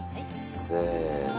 せの。